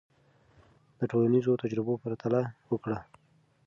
د ټولنیزو تجربو پرتله وکړه.